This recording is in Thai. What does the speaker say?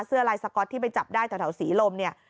เสื้อลายสก๊อตที่ไปจับได้ต่อสีลมนี่